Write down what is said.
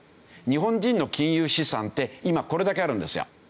日本人の金融資産って今これだけあるんですよ。